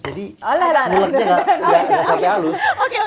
jadi nguleknya gak sampai halus